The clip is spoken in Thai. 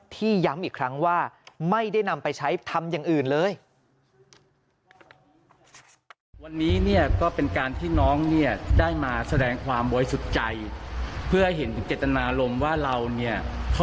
ที่ย้ำอีกครั้งว่าไม่ได้นำไปใช้ทำอย่างอื่นเลย